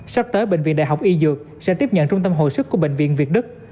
sắp tới bệnh viện đại học y dược sẽ tiếp nhận trung tâm hồi sức của bệnh viện việt đức